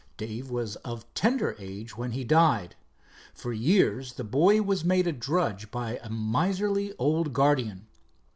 Dave was of tender age when he died. For years the boy was made a drudge by a miserly old guardian.